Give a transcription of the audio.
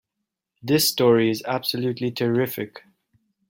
This story is absolutely terrific!